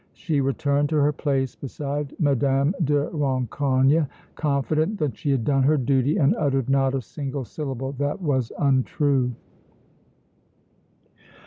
She returned to her place beside Mme. de Rancogne, confident that she had done her duty and uttered not a single syllable that was untrue.